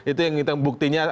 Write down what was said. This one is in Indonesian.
itu yang kita buktinya